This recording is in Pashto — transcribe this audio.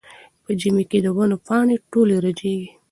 په ژمي کې د ونو پاڼې ټولې رژېږي.